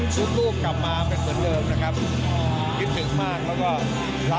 คือเขาอาจจะอยู่ต่างประเทศไม่เคยเห็น